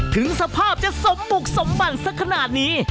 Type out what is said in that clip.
ถึงสภาพจะสมบุกสมบั่นสักขนาดนี้